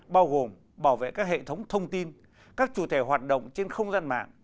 bao gồm bảo vệ các hệ thống thông tin các chủ thể hoạt động trên không gian mạng